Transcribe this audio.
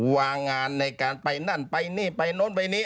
วางงานในการไปนั่นไปนี่ไปโน้นไปนี้